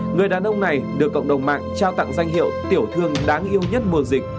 người đàn ông này được cộng đồng mạng trao tặng danh hiệu tiểu thương đáng yêu nhất mùa dịch